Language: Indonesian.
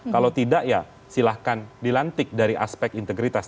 kalau tidak ya silahkan dilantik dari aspek integritas